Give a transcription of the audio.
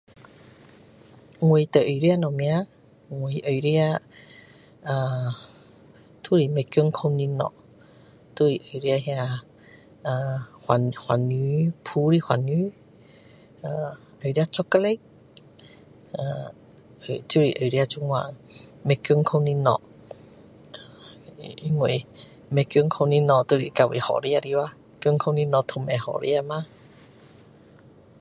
我最爱吃什么我最爱吃呃都是不健康的东西都是爱吃那个呃番番番薯炸的番薯爱吃巧克力呃就是爱吃这样不健康的东西因为不健康的东西都是较为好吃的吧健康的东西都不好吃吗